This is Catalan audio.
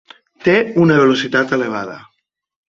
Té una velocitat elevada.